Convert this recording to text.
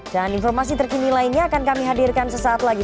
dan informasi terkini lainnya akan kami hadirkan sesaat lagi